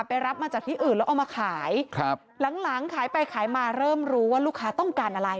รับมาจากที่อื่นแล้วเอามาขายครับหลังหลังขายไปขายมาเริ่มรู้ว่าลูกค้าต้องการอะไร